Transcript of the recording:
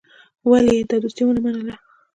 ولي يې دا دوستي ونه منله.